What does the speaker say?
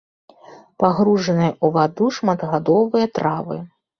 Пагружаныя ў ваду шматгадовыя травы.